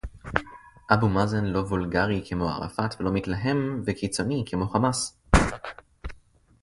אבו מאזן לא וולגרי כמו ערפאת ולא מתלהם וקיצוני כמו 'חמאס'